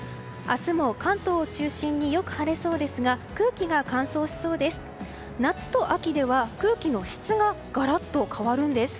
明日も関東を中心によく晴れそうですが空気が乾燥しそうです。